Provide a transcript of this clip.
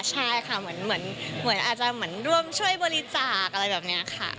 เหมือนอาจรอดช่วยบริษัทอะไรแบบเนี่ยะค่ะ